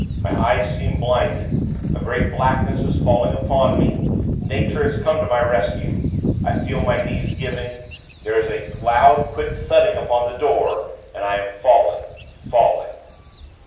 My eyes seem blinded. A great blackness is falling upon me. Nature has come to my rescue. I feel my knees giving. There is a loud, quick thudding upon the door, and I am falling, falling....